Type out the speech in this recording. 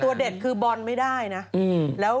แต่ก็ตัวเด่นบอลไม่ได้นะ